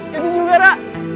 wih itu juga rara